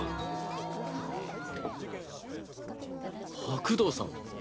白道さん。